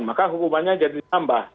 maka hukumannya jadi tambah